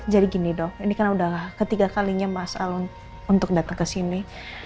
jadi gini dok ini kan udah ketiga kalinya mas alun untuk datang ke sini